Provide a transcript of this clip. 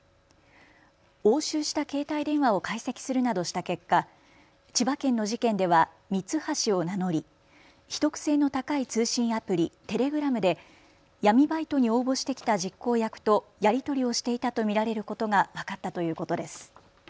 押収した携帯電話を解析するなどした結果、千葉県の事件ではミツハシを名乗り秘匿性の高い通信アプリ、テレグラムで闇バイトに応募してきた実行役とやり取りをしていたと見られることが分かったということです。